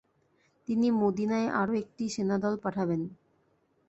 তিনি মদিনায় আরও একটি সেনাদল পাঠাবেন।